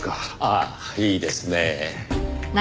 ああいいですねぇ。